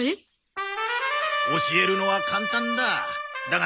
教えるのは簡単だ。